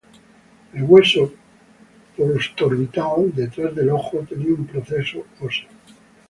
El hueso postorbital, detrás del ojo, tenía un proceso óseo.